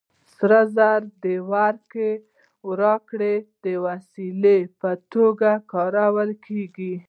سره زر د راکړې ورکړې د وسیلې په توګه کارول کېږي